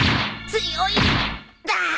強いんだ。